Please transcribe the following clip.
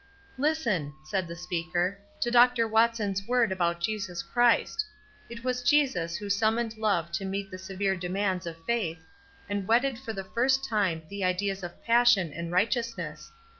''Listen," said the speaker, 'Ho Dr. Watson's word about Jesus Christ: 'It was Jesus who summoned Love to meet the severe demands of Faith, and wedded for the first time the ideas of Passion and Righteousness.